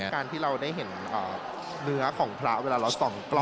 การที่เราได้เห็นเนื้อของพระเวลาเราส่องกล่อง